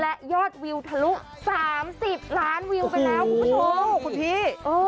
และยอดวิวทะลุ๓๐ล้านวิวไปแล้วคุณผู้ชมคุณพี่